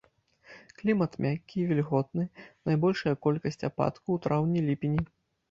Клімат мяккі і вільготны, найбольшая колькасць ападкаў у траўні-ліпені.